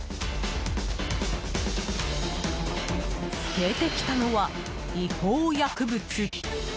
出てきたのは、違法薬物！